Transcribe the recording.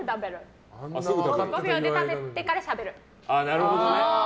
５秒で食べてからしゃべる。